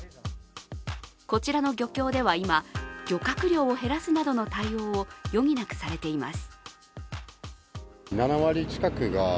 こちらの漁協では今、漁獲量を減らすなどの対応を余儀なくされています。